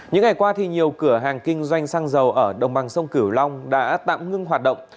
những ngày qua nhiều cửa hàng kinh doanh xăng dầu ở đồng bằng sông cửu long đã tạm ngưng hoạt động